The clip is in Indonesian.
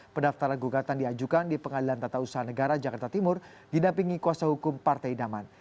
pendaftaran gugatan diajukan di pengadilan tata usaha negara jakarta timur didampingi kuasa hukum partai idaman